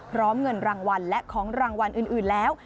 เงินรางวัลและของรางวัลอื่นแล้ว